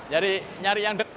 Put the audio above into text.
jadi nyari yang dekat